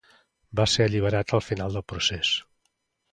Va ser alliberat al final del procés.